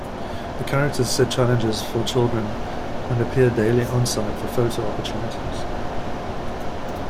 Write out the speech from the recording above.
The characters set challenges for children and appear daily on-site for photo opportunities.